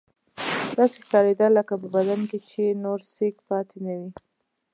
داسې ښکارېدل لکه په بدن کې چې یې نور سېک پاتې نه وي.